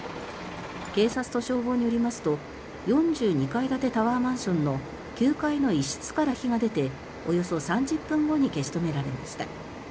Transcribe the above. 警察と消防によりますと４２階建てタワーマンションの９階の一室から火が出ておよそ３０分後に消し止められました。